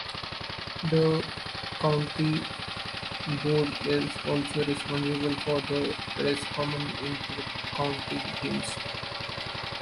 The county board is also responsible for the Roscommon inter-county teams.